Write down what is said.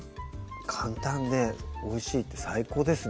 簡単でおいしいって最高ですね